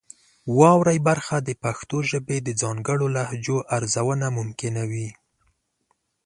واورئ برخه د پښتو ژبې د ځانګړو لهجو ارزونه ممکنوي.